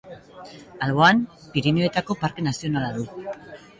Alboan, Pirinioetako Parke Nazionala du.